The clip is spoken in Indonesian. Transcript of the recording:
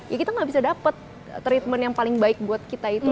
ya kita gak bisa dapat treatment yang paling baik buat kita itu